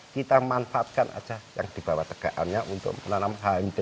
kita manfaatkan aja yang di bawah tekaannya untuk menanam hmt